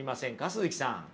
鈴木さん。